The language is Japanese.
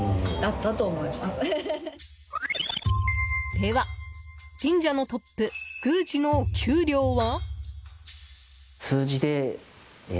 では、神社のトップ宮司のお給料は？